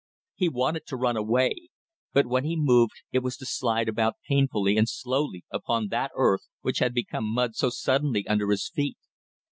He wanted to run away, but when he moved it was to slide about painfully and slowly upon that earth which had become mud so suddenly under his feet.